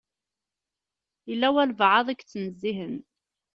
Yella walebɛaḍ i yettnezzihen.